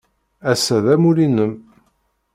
Ass-a d amulli-nnem.